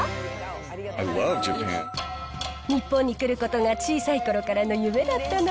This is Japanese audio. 日本に来ることが、小さいころからの夢だったの。